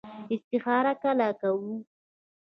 استخاره کله کوو؟